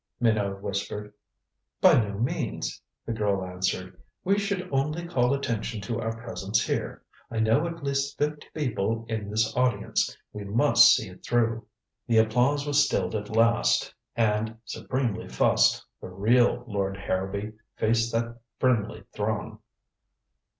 Minot whispered. "By no means," the girl answered. "We should only call attention to our presence here. I know at least fifty people in this audience. We must see it through." The applause was stilled at last and, supremely fussed, the "real Lord Harrowby" faced that friendly throng.